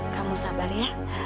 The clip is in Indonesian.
kamu sabar ya